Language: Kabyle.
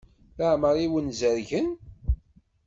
Leɛmeṛ i wen-zerrgen?